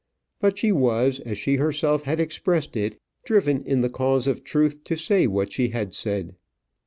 But she was, as she herself had expressed it, driven in the cause of truth to say what she had said.